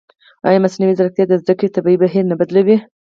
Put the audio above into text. ایا مصنوعي ځیرکتیا د زده کړې طبیعي بهیر نه بدلوي؟